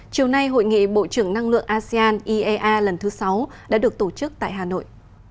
chiều nay hội nghị bộ trưởng năng lượng asean iea lần thứ sáu đã được tổ chức tại hà nội